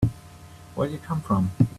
Where do you come from?